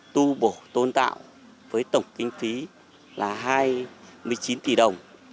tu bổ tôn tạo với tổng kinh phí là hai mươi chín tỷ đồng